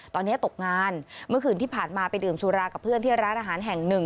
ตอนนี้ตกงานเมื่อคืนที่ผ่านมาไปดื่มสุรากับเพื่อนที่ร้านอาหารแห่งหนึ่ง